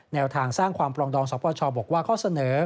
แนวทางสร้างความปรองดองสปชบอกว่าข้อเสนอ